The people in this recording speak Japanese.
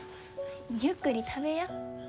ゆっくり食べや。